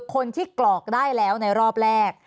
คนที่กรอกได้แล้วในรอบแรก